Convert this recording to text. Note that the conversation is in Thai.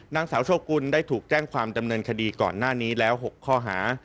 นางสาวโชกุลได้ถูกแจ้งความดำเนินคดีก่อนหน้านี้แล้ว๖ข้อหา